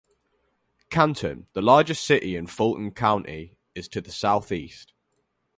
Canton, the largest city in Fulton County, is to the southeast.